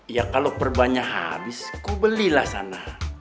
ya kalau perbannya habis kubelilah sana